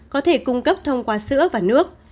có thể cung cấp thông qua sữa và nước